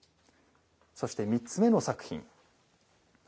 そして３つ目の作品。